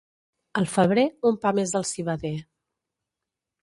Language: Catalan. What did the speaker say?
Al febrer, un pa més al civader.